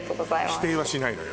否定はしないのよ。